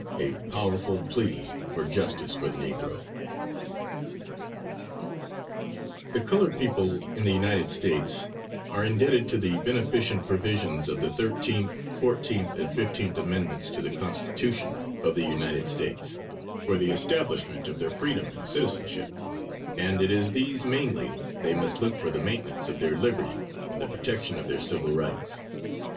A powerful plea for justice for the Negro. [Illustration: WILFORD H. SMITH.] The colored people in the United States are indebted to the beneficent provisions of the 13th, 14th and 15th amendments to the Constitution of the United States, for the establishment of their freedom and citizenship, and it is to these mainly they must look for the maintenance of their liberty and the protection of their civil rights.